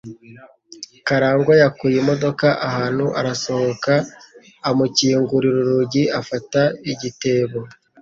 Karangwa yakuye imodoka ahantu, arasohoka, amukingurira urugi afata igitebo.